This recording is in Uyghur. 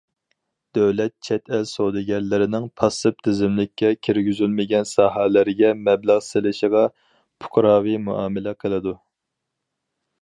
دۆلەت چەت ئەل سودىگەرلىرىنىڭ پاسسىپ تىزىملىككە كىرگۈزۈلمىگەن ساھەلەرگە مەبلەغ سېلىشىغا پۇقراۋى مۇئامىلە قىلىدۇ.